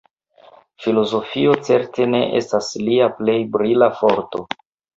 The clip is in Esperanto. Filozofio certe ne estas lia plej brila forto.